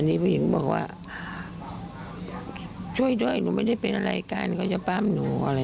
นี่ผู้หญิงบอกว่าช่วยด้วยหนูไม่ได้เป็นอะไรกันเขาจะปั้มหนูอะไร